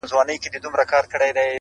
د بېلتون غم مي پر زړه باندي چاپېر سو!!